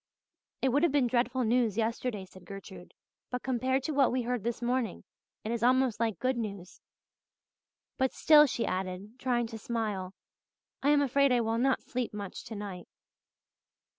"It would have been dreadful news yesterday," said Gertrude, "but compared to what we heard this morning it is almost like good news. But still," she added, trying to smile, "I am afraid I will not sleep much tonight."